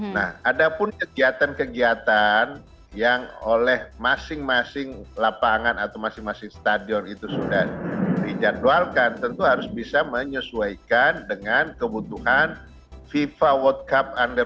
nah ada pun kegiatan kegiatan yang oleh masing masing lapangan atau masing masing stadion itu sudah dijadwalkan tentu harus bisa menyesuaikan dengan kebutuhan fifa world cup under